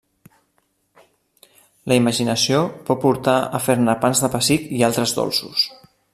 La imaginació pot portar a fer-ne pans de pessic i altres dolços.